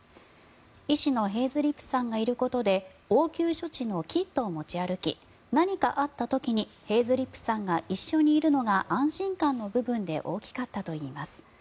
医師のヘイズリップさんがいることで応急処置のキットを持ち歩き何かあった時にヘイズリップさんが一緒にいるのが安心感の部分で大きかったといいます。